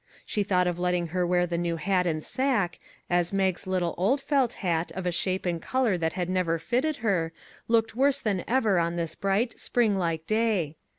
She thought of letting her wear the new hat and sack, as Mag's little old felt hat, of a shape and color that had never fitted her, looked worse than ever on this bright, springlike day.